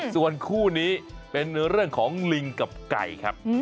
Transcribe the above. ส่วนคู่นี้เป็นเรื่องของลิงกับไก่ครับ